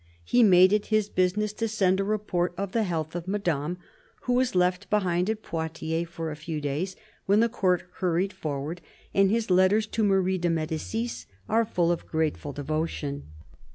He made it his business to send a report of the health of Madame, who was left behind at Poitiers for a few days when the Court hurried forward; and his letters to Marie de Medicis are full of grateful devotion.